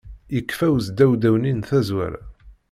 Yekfa usdewdew-nni n tazwara!